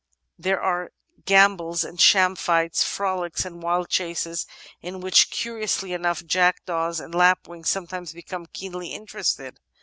There are gambols and sham fights, frolics and wild chases, in which, curiously enough, jack* daws and lapwings sometimes become keenly interested.